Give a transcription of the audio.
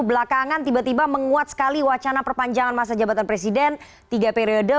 belakangan tiba tiba menguat sekali wacana perpanjangan masa jabatan presiden tiga periode